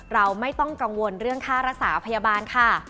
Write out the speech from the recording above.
เราไม่ต้องกังวลเรื่องค่ารักษาพยาบาลค่ะ